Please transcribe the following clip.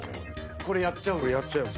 これやっちゃうのやっちゃいます